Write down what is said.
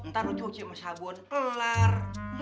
ntar cuci sama sabun kelar